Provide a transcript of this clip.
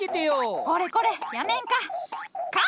これこれやめんか！